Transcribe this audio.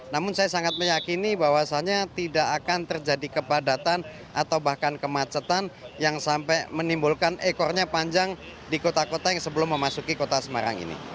namun saya sangat meyakini bahwasannya tidak akan terjadi kepadatan atau bahkan kemacetan yang sampai menimbulkan ekornya panjang di kota kota yang sebelum memasuki kota semarang ini